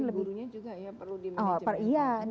gurunya juga ya perlu dimanajemen